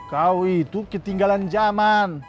kau itu ketinggalan zaman